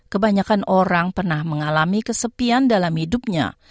kebanyakan orang pernah mengalami kesepian dalam hidupnya